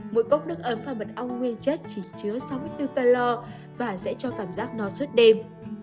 mỗi cốc nước ấm pha mật ong nguyên chất chỉ chứa sáu mươi bốn calo và sẽ cho cảm giác no suốt đêm